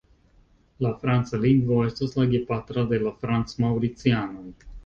La franca lingvo estas la gepatra de la franc-maŭricianoj.